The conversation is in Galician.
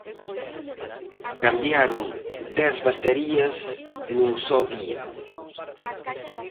Cambiaron dez baterías nun só día.